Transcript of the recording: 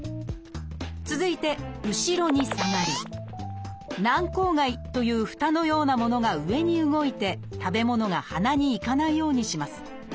続いて後ろに下がり「軟口蓋」というふたのようなものが上に動いて食べ物が鼻に行かないようにします。